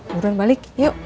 buruan balik yuk